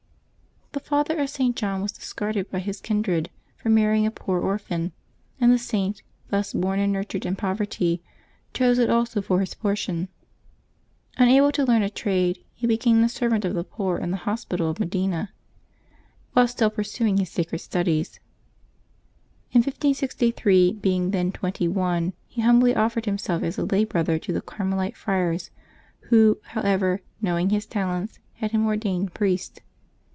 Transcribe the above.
^<HE father of St. John was discarded by his kindred Vi^ for marrying a poor orphan, and the Saint, thus born and nurtured in poverty, chose it also for his portion. Unable to learn a trade, be became the servant of the poor in the hospital of Medina, while still pursuing his sacred studies. In 1563, being then twenty one, he hum bly offered himself as a lay brother to the Carmelite friars, who, however, knowing his talents, had him ordained priest.